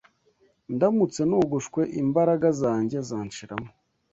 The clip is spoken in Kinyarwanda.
Ndamutse nogoshwe imbaraga zanjye zanshiramo